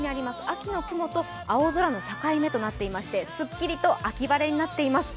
秋の雲と青空の境目となっていまして、すっきりと秋晴れとなっています。